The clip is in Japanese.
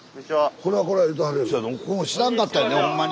ここも知らんかったんやでほんまに。